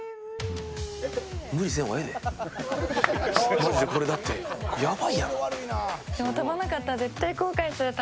マジでこれだってやばいやろ。